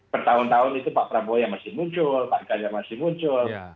bertahun tahun itu pak prabowo yang masih muncul pak ganjar masih muncul